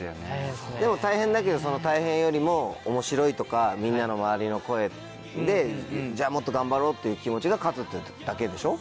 でも大変だけどその大変よりも面白いとかみんなの周りの声でじゃあもっと頑張ろうっていう気持ちが勝つってだけでしょ？